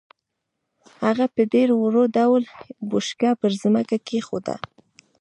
هغه په ډېر ورو ډول بوشکه پر ځمکه کېښوده.